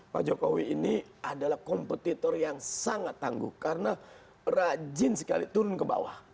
pak jokowi ini adalah kompetitor yang sangat tangguh karena rajin sekali turun ke bawah